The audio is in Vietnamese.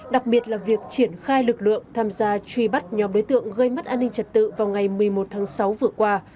đặc biệt là việc triển khai lực lượng tham gia truy bắt nhóm đối tượng gây mất an ninh trật tự vào ngày một mươi một tháng sáu vừa qua